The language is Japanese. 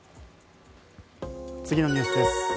次のニュースです。